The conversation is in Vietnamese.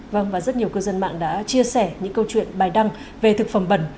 vâng và rất nhiều cư dân mạng đã chia sẻ những câu chuyện bài đăng về thực phẩm bẩn